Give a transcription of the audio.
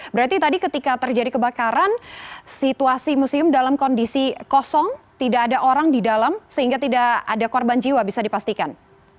berarti tadi ketika terjadi kebakaran situasi museum dalam kondisi kosong tidak ada orang di dalam sehingga tidak ada korban jiwa bisa dipastikan